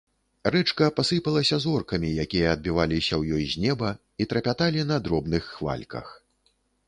Рэчка пасыпалася зоркамі, якія адбіваліся ў ёй з неба і трапяталі на дробных хвальках.